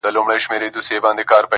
• زه د خزان منځ کي لا سمسور یمه,